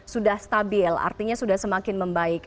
sudah stabil artinya sudah semakin membaik